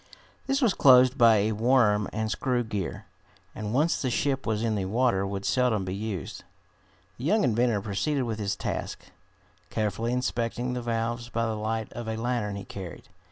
This was closed by a worm and screw gear, and once the ship was in the water would seldom be used. The young inventor proceeded with his task, carefully inspecting the valves by the light of a lantern he carried.